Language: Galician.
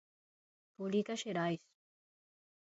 Publica Xerais.